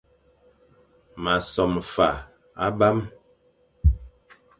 M a som fa abam,